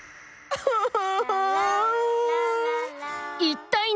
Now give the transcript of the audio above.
フフフフ！